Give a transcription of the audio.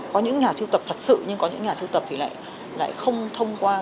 có những nhà sưu tập thật sự nhưng có những nhà sưu tập thì lại không thông qua